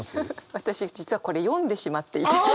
私実はこれ読んでしまっていて。